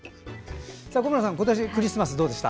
小村さん、今年クリスマスどうでした？